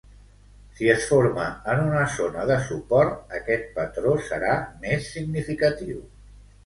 Si es forma en una zona de suport, aquest patró serà més significatiu.